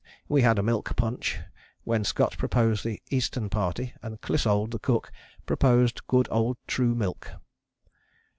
We had a milk punch, when Scott proposed the Eastern Party, and Clissold, the cook, proposed Good Old True Milk.